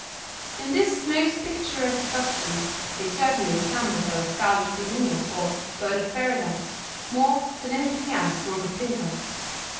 In this most picturesque costume they certainly resembled our scarlet flamingo or bird of paradise more than anything else one could think of.